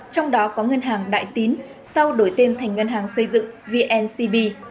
trong đó có ngân hàng đại tín sau đổi tên thành ngân hàng xây dựng vncb